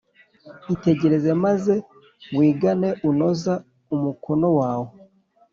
Itegereze maze wigane unoza umukono wawe